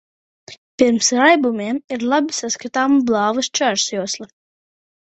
Pirms raibumiem ir labi saskatāma blāva šķērsjosla.